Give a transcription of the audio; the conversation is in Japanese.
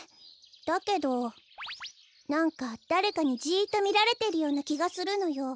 だけどなんかだれかにジッとみられてるようなきがするのよ。